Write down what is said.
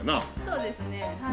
そうですねはい。